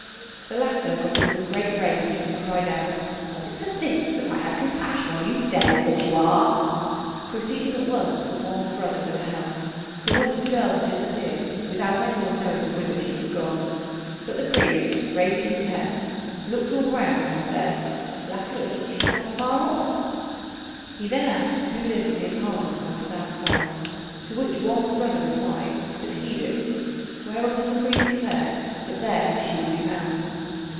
The latter got into a great rage, and cried out, "Was it for this that I had compassion on you, devil that you are?" proceeding at once with Wang's brother to the house, from which the girl had disappeared without anyone knowing whither she had gone. But the priest, raising his head, looked all round, and said, "Luckily she's not far off." He then asked who lived in the apartments on the south side, to which Wang's brother replied that he did; whereupon the priest declared that there she would be found.